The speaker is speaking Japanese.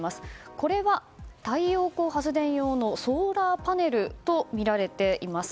これは、太陽光発電用のソーラーパネルとみられています。